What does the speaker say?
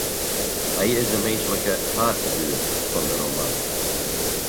Hy is de minsklike haadfiguer fan de roman.